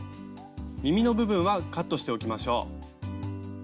みみの部分はカットしておきましょう。